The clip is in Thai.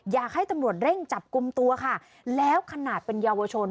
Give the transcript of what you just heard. อยากให้ตำรวจเร่งจับกลุ่มตัวค่ะแล้วขนาดเป็นเยาวชน